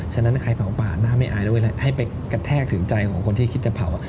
ฉะนั้นใครเผาป่าหน้าไม่อายแล้วเวลาให้ไปกระแทกถึงใจของคนที่คิดจะเผา